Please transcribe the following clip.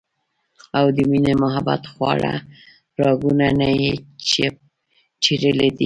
او د مينې محبت خواږۀ راګونه ئې چېړلي دي